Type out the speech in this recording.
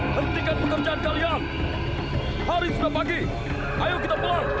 hentikan pekerjaan kalian hari sudah pagi ayo kita pulang